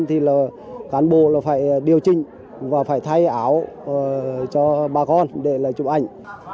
thì là cán bộ là phải điều trình và phải thay áo cho bà con để là chụp ảnh